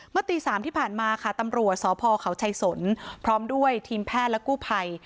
ตี๓ที่ผ่านมาค่ะตำรวจสพเขาชัยสนพร้อมด้วยทีมแพทย์และกู้ภัย